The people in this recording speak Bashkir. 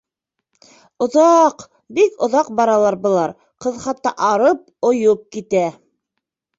Оҙаҡ, бик оҙаҡ баралар былар, ҡыҙ хатта арып, ойоп китә.